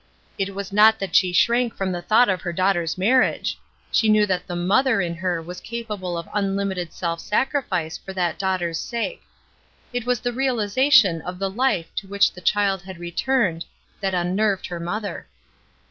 It was not that she shrank from the thought of her daughter's marriage — she knew that the mother in her was capable of unlimited self sacrifice for that daughter's sake; it was the realization of the hfe to which the child had returned that unnerved her mother.